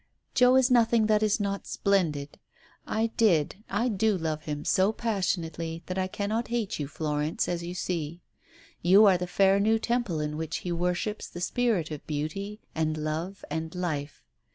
... "Joe is nothing that is not splendid. I did, I do love him so passionately, that I cannot hate you, Florence, as you see. You are the fair new temple in which he worships the spirit of Beauty and Love and Life.